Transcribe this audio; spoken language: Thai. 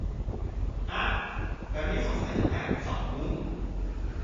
อ๊ะ แบบนี้สงสัยจะแตกเป็นสองมุ้ง